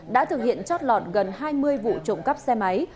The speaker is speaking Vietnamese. đã thực hiện chót lọt gần hai mươi vụ trộm cắp xe máy